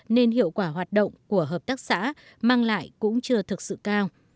nên hiệu quả hoạt động của hợp tác xã mang lại cũng chưa thực sự cao